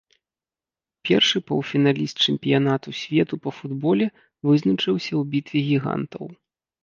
Першы паўфіналіст чэмпіянату свету па футболе вызначыўся ў бітве гігантаў.